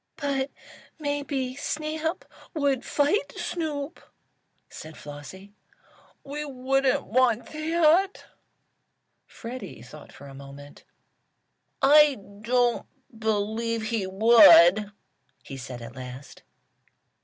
"But maybe Snap would fight Snoop," said Flossie. "We wouldn't want that." Freddie thought for a moment. "I don't believe he would," he said at last.